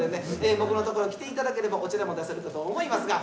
僕のところ来て頂ければお茶でも出せるかと思いますが。